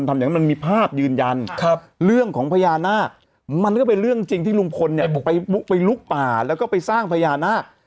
มันก็เป็นเรื่องจริงที่ลุงพลเนี่ยไปลุกป่าแล้วก็ไปสร้างพญาณา